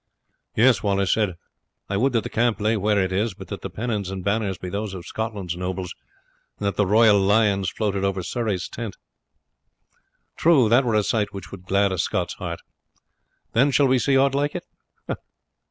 "Yes," Wallace said; "I would that the camp lay where it is, but that the pennons and banners were those of Scotland's nobles, and that the royal lions floated over Surrey's tent. Truly that were a sight which would glad a Scot's heart. When shall we see ought like it?